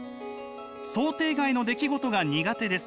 「想定外の出来事が苦手です。